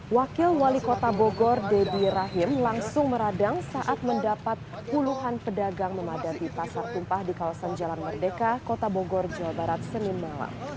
wakil wali kota bogor deddy rahim langsung meradang saat mendapat puluhan pedagang memadati pasar tumpah di kawasan jalan merdeka kota bogor jawa barat senin malam